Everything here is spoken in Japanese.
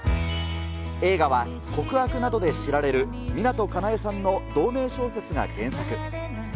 映画は告白などで知られる、湊かなえさんの同名小説が原作。